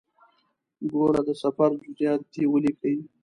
ګوره د سفر جزئیات دې ولیکې.